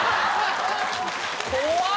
怖っ！